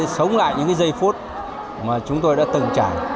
sống lại những giây phút mà chúng tôi đã từng trải